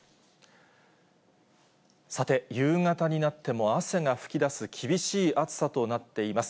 さて、夕方になっても汗が噴き出す厳しい暑さとなっています。